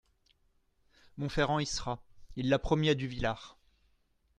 Monferrand y sera, il l'a promis à Duvillard.